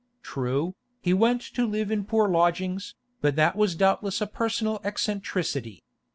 True, he went to live in poor lodgings, but that was doubtless a personal eccentricity.